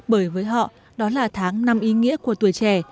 bởi với họ đó là tháng năm ý nghĩa của tuổi trẻ